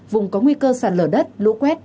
vùng có nguy cơ sạt lở đất lũ quét